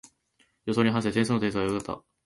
予想に反してテストの点数は良かった